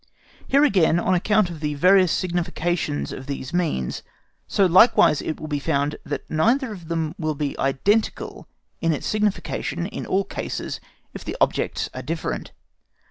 Here, again, on account of the various significations of these means, so likewise it will be found that neither of them will be identical in its signification in all cases if the objects are different.